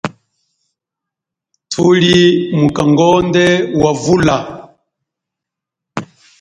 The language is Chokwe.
Thuli mukangonde wa vula.